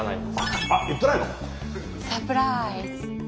サプライズ！